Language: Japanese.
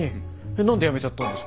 何で辞めちゃったんですか？